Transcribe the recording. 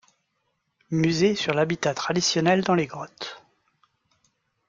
Musée sur l'habitat traditionnel dans les grottes.